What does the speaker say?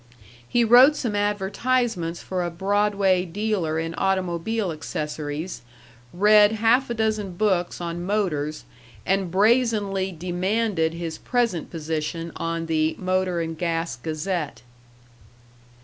He wrote some advertisements for a Broadway dealer in automobile accessories, read half a dozen books on motors, and brazenly demanded his present position on the Motor and Gas Gazette.